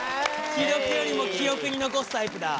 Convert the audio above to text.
記録よりも記憶に残すタイプだ。